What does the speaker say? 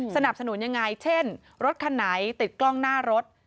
สนับสนุนยังไงเช่นรถคันไหนติดกล้องหน้ารถ